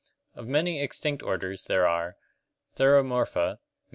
Of many extinct orders there are: Theromorpha (Gr.